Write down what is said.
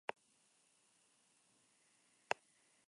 Su actividad laboral siempre ha estado centrada en estos dos ámbitos.